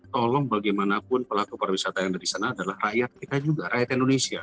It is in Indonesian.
tolong bagaimanapun pelaku pariwisata yang dari sana adalah rakyat kita juga rakyat indonesia